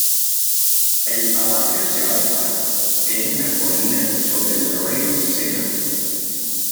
El palacio se alza en una colina sobre el río Sena.